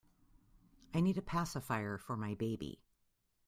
I need a pacifier for my baby.